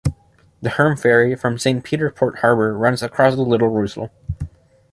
The Herm ferry, from Saint Peter Port Harbour runs across the Little Roussel.